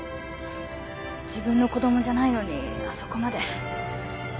自分の子供じゃないのにあそこまで。